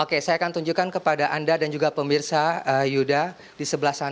oke saya akan tunjukkan kepada anda dan juga pemirsa yuda di sebelah sana